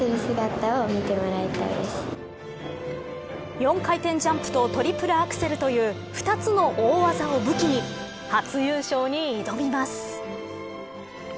４回転ジャンプとトリプルアクセルという２つの大技を武器に初優勝に挑みます。